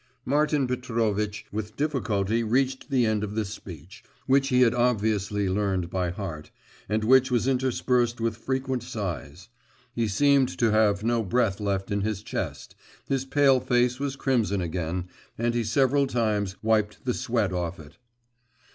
Martin Petrovitch with difficulty reached the end of this speech, which he had obviously learnt by heart, and which was interspersed with frequent sighs.… He seemed to have no breath left in his chest; his pale face was crimson again, and he several times wiped the sweat off it.